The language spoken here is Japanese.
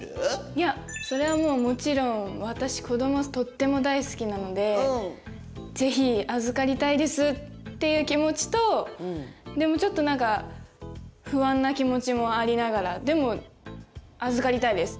いやそれはもうもちろん私子どもとっても大好きなのでぜひ預かりたいですっていう気持ちとでもちょっと何か不安な気持ちもありながらでも預かりたいです！